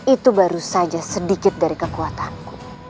itu baru saja sedikit dari kekuatanku